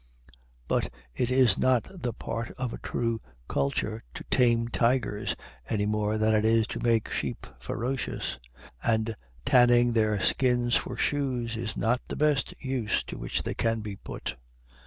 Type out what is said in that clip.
But it is not the part of a true culture to tame tigers, any more than it is to make sheep ferocious; and tanning their skins for shoes is not the best use to which they can be put.